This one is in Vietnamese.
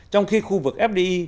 trong khi khu vực fdi